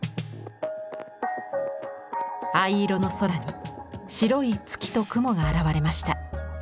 藍色の空に白い月と雲が現れました。